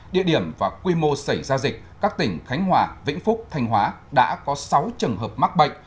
địa điểm và quy mô xảy ra dịch các tỉnh khánh hòa vĩnh phúc thanh hóa đã có sáu trường hợp mắc bệnh